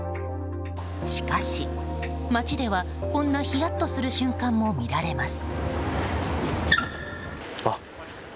しかし街ではこんなヒヤッとする瞬間も見られます。